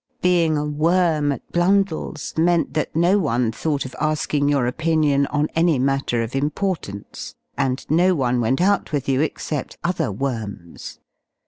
Being a ''^worm^'' at BlundelPs meant that no one thought of asking your opinion on any matter of importance y and no one went out with you except other ''''worms.